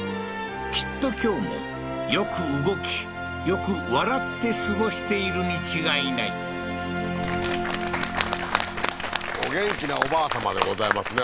きっと今日もよく動きよく笑って過ごしているに違いないお元気なおばあさまでございますね